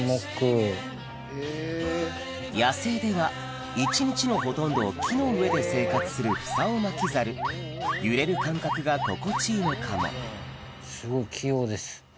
野生では一日のほとんどを木の上で生活するフサオマキザルゆれる感覚が心地いいのかもすごい器用です。